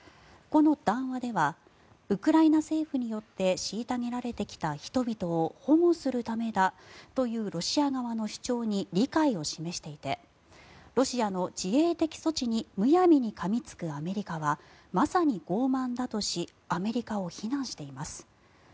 この談話ではウクライナ政府によって虐げられてきた人々を保護するためだというロシア側の主張に理解を示していてロシアの自衛的措置にむやみにかみつくアメリカはまさにごう慢だとしアメリカを非難しています。